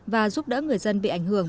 và giúp đỡ người dân bị ảnh hưởng